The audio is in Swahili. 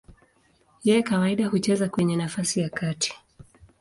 Yeye kawaida hucheza kwenye nafasi ya katikati.